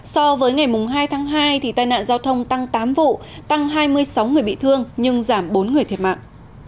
so với ngày hai tháng hai tai nạn giao thông tăng tám vụ tăng hai mươi sáu người bị thương nhưng giảm bốn người thiệt mạng